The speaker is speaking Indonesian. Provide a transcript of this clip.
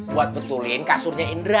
buat betulin kasurnya indra